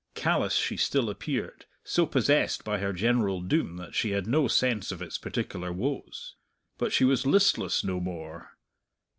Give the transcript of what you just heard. Callous she still appeared, so possessed by her general doom that she had no sense of its particular woes. But she was listless no more.